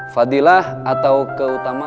fadilah atau keutamaan